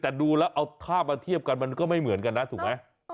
แต่ดูแล้วเอาภาพมาเทียบกันมันก็ไม่เหมือนกันนะถูกไหม